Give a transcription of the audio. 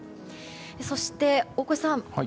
そして、大越さん